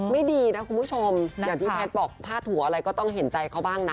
ไม่ดีนะคุณผู้ชมอย่างที่แพทย์บอกพาดหัวอะไรก็ต้องเห็นใจเขาบ้างนะ